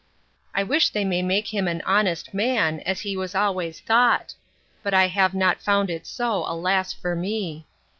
—I wish they may make him an honest man, as he was always thought; but I have not found it so, alas for me!